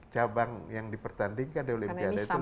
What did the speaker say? cabang yang dipertandingkan di olimpiade itu lebih sedikit